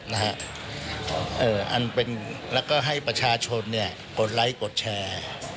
แล้วก็ให้ประชาชนกดไลค์กดแชร์